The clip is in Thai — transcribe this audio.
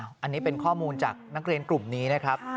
อันนี้เป็นข้อมูลจากนักเรียนกลุ่มนี้นะครับ